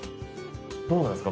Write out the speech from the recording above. どうなんですか？